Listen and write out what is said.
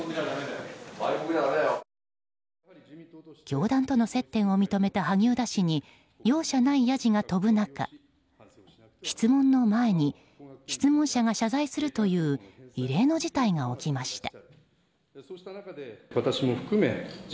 教団との接点を認めた萩生田氏に容赦ないやじが飛ぶ中質問の前に質問者が謝罪するという異例の事態が起きました。